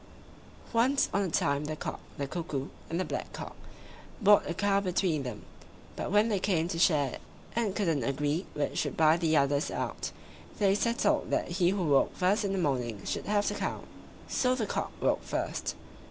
] Once on a time the Cock, the Cuckoo, and the Black cock bought a cow between them. But when they came to share it, and couldn't agree which should buy the others out, they settled that he who woke first in the morning should have the cow. So the Cock woke first.